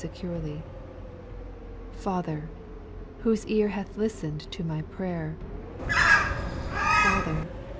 securely, Father ! whose ear hath listened to my prayer, Father